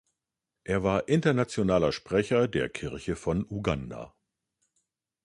Er war internationaler Sprecher der Kirche von Uganda.